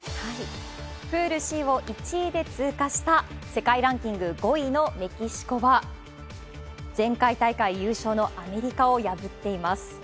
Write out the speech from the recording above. プールＣを１位で通過した世界ランキング５位のメキシコは、前回大会優勝のアメリカを破っています。